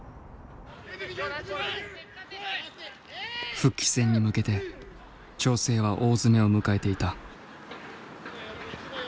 復帰戦に向けて調整は大詰めを迎えていた。